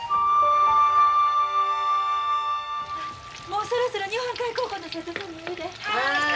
もうそろそろ日本海高校の生徒さん見えるで。